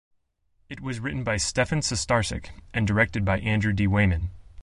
It was written by Stephen Sustarsic and directed by Andrew D. Weyman.